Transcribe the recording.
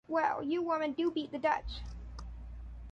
Well, you women do beat the Dutch.